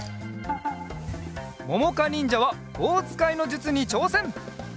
ももかにんじゃはぼうつかいのじゅつにちょうせん！